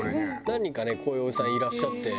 何人かねこういうおじさんいらっしゃって。